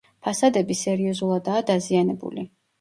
ფასადები სერიოზულადაა დაზიანებული.